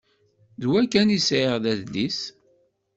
D wa kan i sεiɣ d adlis.